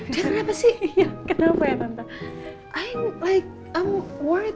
dia kenapa sih